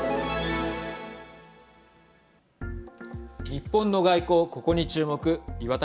日本の外交、ここに注目。